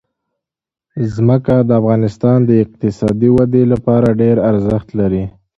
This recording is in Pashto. ځمکه د افغانستان د اقتصادي ودې لپاره ډېر ارزښت لري.